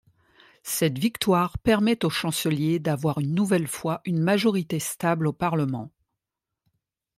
Cette victoire permet au chancelier d'avoir une nouvelle fois une majorité stable au parlement.